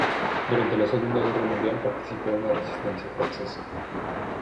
Durante la Segunda Guerra Mundial participó en la resistencia francesa.